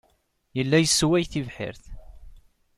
Yella yessway tibḥirt.